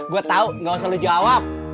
gue tau gak usah lo jawab